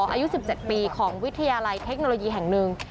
อายุ๑๗ปีของวิทยาลัยเทคโนโลยีแห่งหนึ่ง